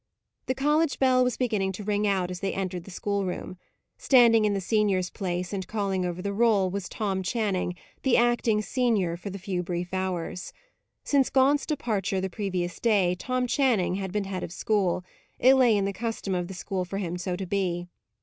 The college bell was beginning to ring out as they entered the schoolroom. Standing in the senior's place, and calling over the roll, was Tom Channing, the acting senior for a few brief hours. Since Gaunt's departure, the previous day, Tom Channing had been head of the school; it lay in the custom of the school for him so to be.